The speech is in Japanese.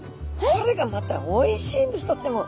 これがまたおいしいんですとっても。